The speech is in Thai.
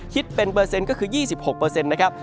คิดเป็นเปอร์เซ็นต์ก็คือ๒๖นะครับ